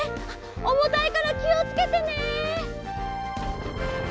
おもたいからきをつけてね！